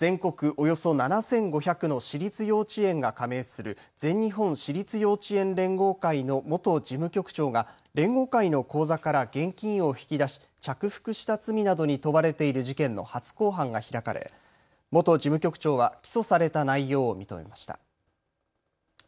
およそ７５００の私立幼稚園が加盟する全日本私立幼稚園連合会の元事務局長が連合会の口座から現金を引き出し着服した罪などに問われている事件の初公判が開かれ元事務局長は起訴された内容を認めました。